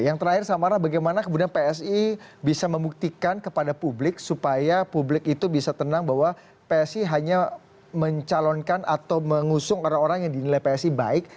yang terakhir samara bagaimana kemudian psi bisa membuktikan kepada publik supaya publik itu bisa tenang bahwa psi hanya mencalonkan atau mengusung orang orang yang dinilai psi baik